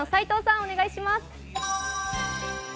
お願いします。